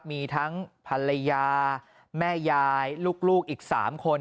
มีทั้งภรรยาแม่ยายลูกอีก๓คน